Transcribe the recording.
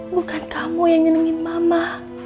bukan kamu yang nyenengin mama